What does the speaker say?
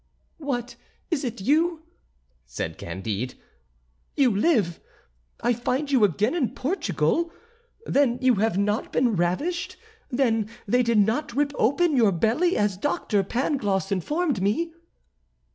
"What, is it you?" said Candide, "you live? I find you again in Portugal? then you have not been ravished? then they did not rip open your belly as Doctor Pangloss informed me?"